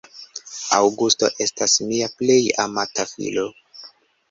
Aŭgusto estas mia plej amata filo.